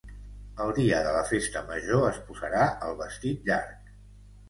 El dia de la festa major es posarà el vestit llarg.